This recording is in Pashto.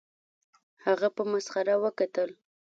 هغه په مسخره وکتل